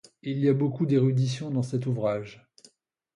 Il y a beaucoup d'érudition dans cet ouvrage.